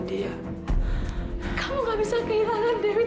mama udah gak kuat lagi